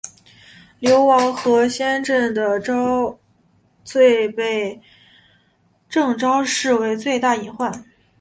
流亡河仙镇的昭最被郑昭视为最大隐患。